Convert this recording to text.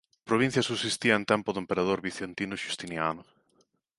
A provincia subsistía en tempo do emperador bizantino Xustiniano.